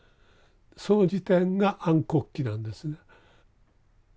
その時点が「暗黒期」なんですね。